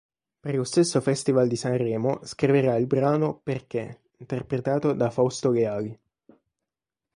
Per lo stesso Festival di Sanremo scriverà il brano "Perché", interpretato da Fausto Leali.